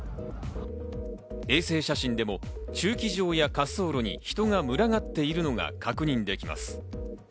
衛星写真でも駐機場や滑走路に人が群がっているのが確認できます。